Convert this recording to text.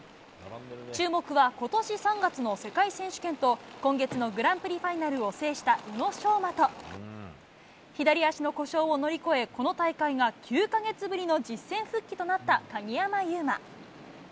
注目はことし３月の世界選手権と今月のグランプリファイナルを制した宇野昌磨と、左足の故障を乗り越え、この大会が９か月ぶりの実戦復帰となった鍵山優真。